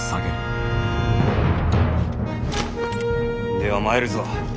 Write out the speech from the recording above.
では参るぞ。